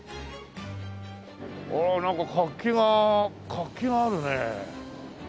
ああなんか活気が活気があるねすごい。